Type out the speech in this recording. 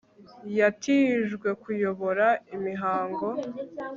yatijwe kuyobora imihango